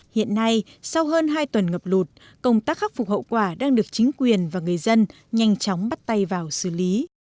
hiện nay sau hơn hai tuần ngập lụt công tác khắc phục hậu quả đang được chính quyền và người dân nhanh chóng bắt tay vào xử lý